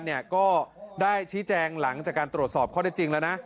มีมีแฝงขายประกันได้ชี้แจงหลังจากการตรวจสอบเขาได้จริงแล้วนะ